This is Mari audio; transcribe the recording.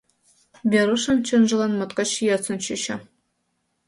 Верушын чонжылан моткоч йӧсын чучо.